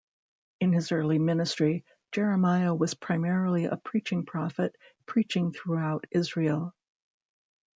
In his early ministry, Jeremiah was primarily a preaching prophet, preaching throughout Israel.